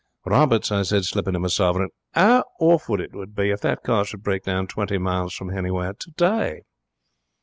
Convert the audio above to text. Roberts," I said, slipping him a sovereign, "'ow awful it would be if the car should break down twenty miles from hanywhere today!"'